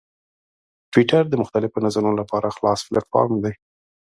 ټویټر د مختلفو نظرونو لپاره خلاص پلیټفارم دی.